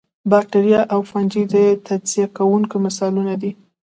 باکتریا او فنجي د تجزیه کوونکو مثالونه دي